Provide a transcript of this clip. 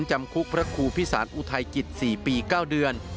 จำคุกพระครูพิสารอุทัยจิต๔ปี๙เดือน